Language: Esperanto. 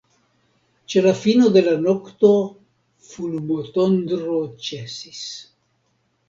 Ĉe la fino de la nokto fulmotondro ĉesis.